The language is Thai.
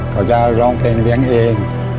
เขาจะร้องเพลงเลี้ยงเอง